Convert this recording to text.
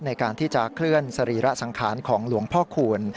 ในการที่จะเคลื่อนสรีระสังขารของหลวงพ่อคูณ